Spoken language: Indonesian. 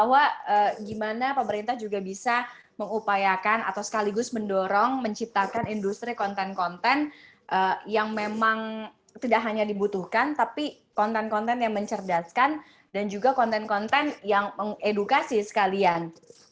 jadi saya ingin menanyakan juga bahwa gimana pemerintah juga bisa mengupayakan atau sekaligus mendorong menciptakan industri konten konten yang memang tidak hanya dibutuhkan tapi konten konten yang mencerdaskan dan juga konten konten yang mengedukasi sekalian